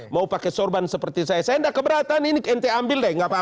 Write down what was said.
mau pakai sorban seperti saya saya tidak keberatan ini nt ambil deh nggak apa apa